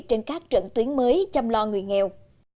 trên các trận tuyến mới chăm lo người nghèo